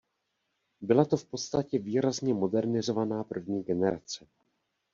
Byla to v podstatě výrazně modernizovaná první generace.